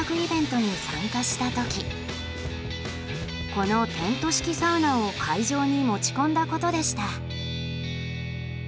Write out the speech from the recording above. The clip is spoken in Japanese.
このテント式サウナを会場に持ち込んだことでした。